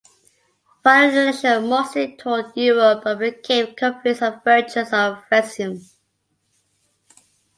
Following the election Mosley toured Europe and became convinced of the virtues of Fascism.